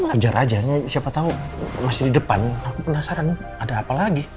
kejar ajanya siapa tahu masih di depan aku penasaran ada apa lagi